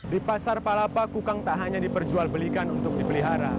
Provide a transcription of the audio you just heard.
di pasar palapa kukang tak hanya diperjualbelikan untuk dipelihara